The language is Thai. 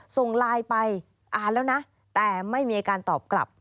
ส่งไลน์ไปอ่านแล้วนะแต่ไม่มีอาการตอบกลับ